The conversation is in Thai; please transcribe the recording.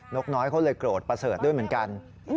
กน้อยเขาเลยโกรธประเสริฐด้วยเหมือนกัน